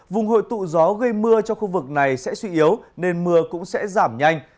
vùng hội tụ gió gây mưa cho khu vực này sẽ suy yếu nên mưa cũng sẽ giảm nhanh